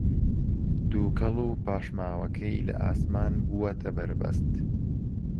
دووکەڵ و پاشماوەکەی لە ئاسمان بووەتە بەربەست